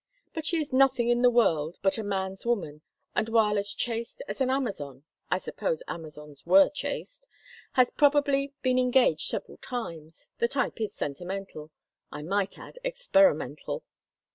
But she is nothing in the world but a man's woman, and while as chaste as an Amazon—I suppose Amazons were chaste—has probably been engaged several times—the type is sentimental—I might add, experimental.